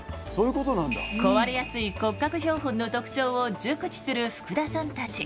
壊れやすい骨格標本の特徴を熟知する福田さんたち。